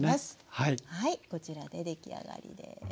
はいこちらで出来上がりです。